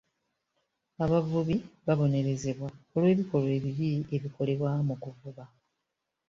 Abavubi babonerezebwa olw'ebikolwa ebibi ebikolebwa mu kuvuba.